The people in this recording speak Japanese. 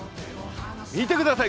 見てください！